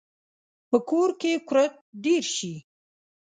په کور کې کورت ډیر شي